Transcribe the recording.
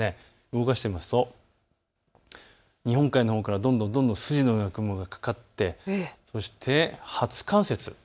動かしてみますと日本海のほうからどんどん筋のような雲がかかって初冠雪。